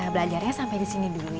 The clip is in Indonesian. belajarnya sampai di sini dulu